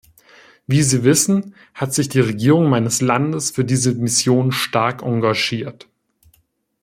Wie Sie wissen, hat sich die Regierung meines Landes für diese Mission stark engagiert.